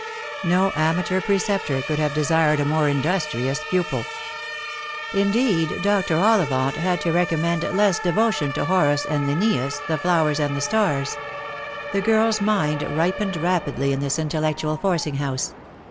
No amateur preceptor could have desired a more industrious pupil. Indeed Dr. OUivant had to recommend less devotion to Horace and Linnaeus, the flowers and the stars. The girl's mind ripened rapidly in this intellectual forcing house.